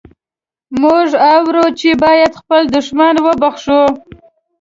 موږ اورو چې باید خپل دښمن وبخښو.